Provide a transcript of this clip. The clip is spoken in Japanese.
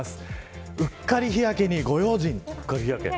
うっかり日焼けにご用心。